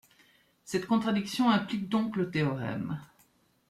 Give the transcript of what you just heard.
Cette contradiction implique donc le théorème.